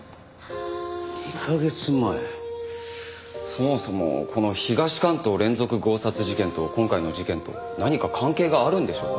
そもそもこの東関東連続強殺事件と今回の事件と何か関係があるんでしょうか？